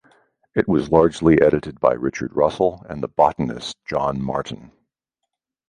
It was largely edited by Richard Russell and the botanist John Martyn.